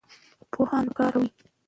پوهان به کار کاوه.